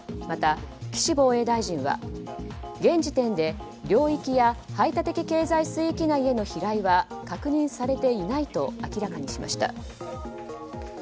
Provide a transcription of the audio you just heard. また、岸防衛大臣は現時点で領域や排他的経済水域内への飛来は確認されていないと明らかにしました。